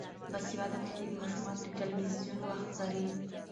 باسواده میندې د ماشومانو د تلویزیون وخت څاري.